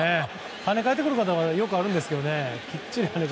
跳ね返ってくることはよくあるんですけどね。